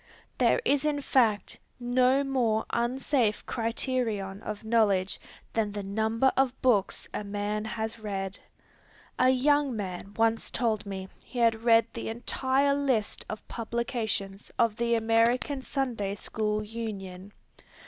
There is in fact no more unsafe criterion of knowledge than the number of books a man has read. A young man once told me he had read the entire list of publications of the American Sunday School Union.